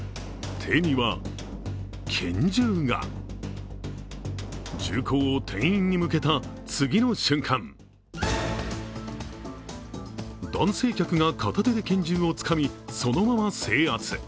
手には拳銃が銃口を店員に向けた、次の瞬間男性客が片手で拳銃をつかみそのまま制圧。